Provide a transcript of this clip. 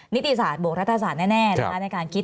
นิติศาสตร์บวกรัฐศาสตร์แน่นะคะในการคิด